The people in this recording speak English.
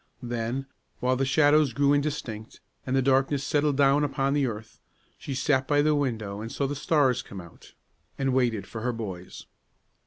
Then, while the shadows grew indistinct, and the darkness settled down upon the earth, she sat by the window and saw the stars come out, and waited for her boys.